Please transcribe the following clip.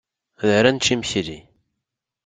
Da ara nečč imekli.